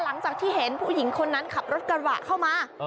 หลังจากที่เห็นผู้หญิงคนนั้นขับรถกระบะเข้ามา